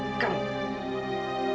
dengan cara yang menyakitkan lo